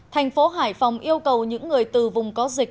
thành phố hải phòng yêu cầu những người từ vùng có dịch